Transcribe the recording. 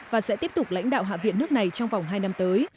và sẽ tiếp tục lãnh đạo hạ viện nước này trong vòng hai năm tới